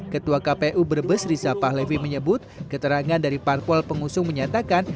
ketua kpu berbes rizapahlevi menyebut keterangan dari parpol pengusung menyatakan